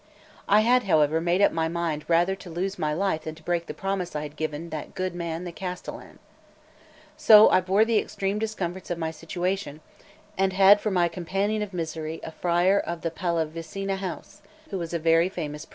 I had, however, made my mind up rather to lose my life than to break the promise I had given that good man the castellan. So I bore the extreme discomforts of my situation, and had for companion of misery a friar of the Palavisina house, who was a very famous preacher.